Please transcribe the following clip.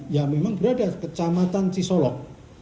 ya memang berada kecamatan cisolok